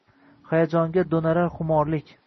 Hayajonga doʼnar xumorlik.